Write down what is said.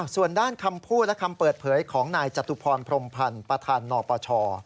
ส่วนด้านคำพูดและคำเปิดเผยของนายจตุพรพรมพันธ์ประธานนปช